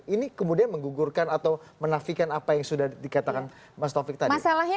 ini kemudian menggugurkan atau menafikan apa yang sudah dikatakan mas taufik tadi